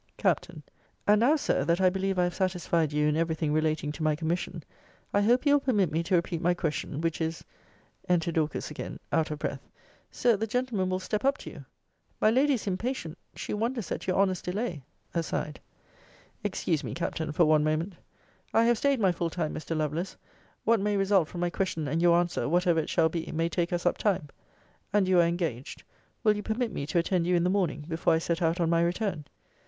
Capt. 'And now, Sir, that I believe I have satisfied you in every thing relating to my commission, I hope you will permit me to repeat my question which is ' Enter Dorcas again, out of breath. Sir, the gentleman will step up to you. [My lady is impatient. She wonders at your honour's delay. Aside.] Excuse me, Captain, for one moment. I have staid my full time, Mr. Lovelace. What may result from my question and your answer, whatever it shall be, may take us up time. And you are engaged. Will you permit me to attend you in the morning, before I set out on my return?